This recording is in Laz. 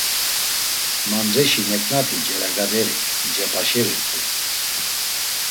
Mandreşi neǩnati ceragaderi cepaşerirt̆u.